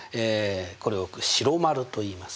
これを白丸といいますね。